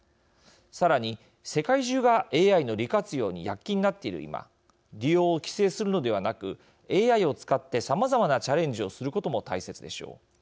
さらに、世界中がＡＩの利活用に躍起になっている今利用を規制するのではなくＡＩを使ってさまざまなチャレンジをすることも大切でしょう。